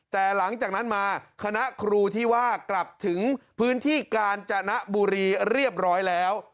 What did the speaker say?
แต่หลังจากนั้นมาคณะครูที่ว่ากลับถึงพื้นที่กาญจนบุรีเรียบร้อยแล้ว